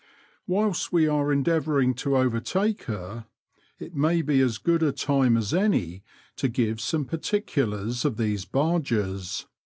Whilst we are endeavouring to overtake her, it may be as good a time as any to give some particulars of these barges.